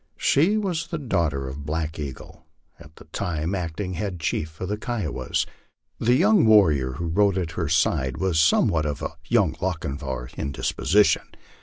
She was the daughter of Black Eagle, at that time the acting head chief of the Kiowas. The young warrior who rode at her side was somewhat of a young Lochinvar in disposition.